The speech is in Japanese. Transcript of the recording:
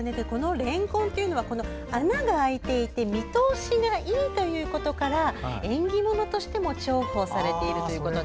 れんこんというのは穴が開いていて見通しがいいということから縁起物としても重宝されているということで。